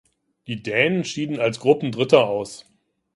Die Dänen schieden als Gruppendritter aus.